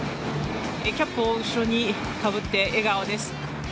キャップを後ろに被って笑顔です。